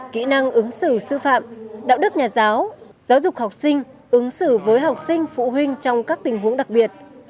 kỹ năng ứng xử sư phạm đạo đức nhà giáo giáo dục học sinh ứng xử với học sinh phụ huynh trong các tình huống đặc biệt